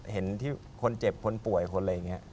เห็นที่คนเจ็บคนป่วยคนอะไรอย่างนี้